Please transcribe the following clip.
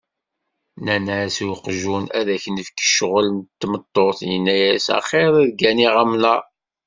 Nnan-as i uqjun, ad ak-nefk ccɣel n tmeṭṭut. Yenna-as, axir ad gganiɣ amnaṛ.